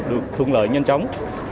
được thuận lợi nhanh chóng